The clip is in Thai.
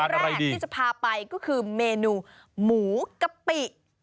แรกที่จะพาไปก็คือเมนูหมูกะปิ